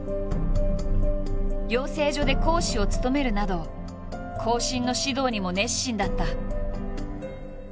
養成所で講師を務めるなど後進の指導にも熱心だった。